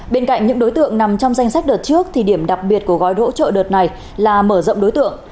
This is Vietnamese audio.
bên cạnh những đối tượng nằm trong danh sách đợt trước thì điểm đặc biệt của gói hỗ trợ đợt này là mở rộng đối tượng